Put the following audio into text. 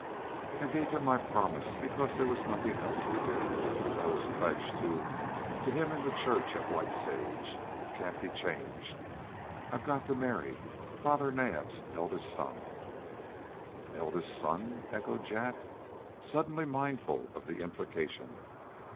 "I gave him my promise because there was nothing else to do. I was pledged to to him in the church at White Sage. It can't be changed. I've got to marry Father Naab's eldest son." "Eldest son?" echoed Jack, suddenly mindful of the implication.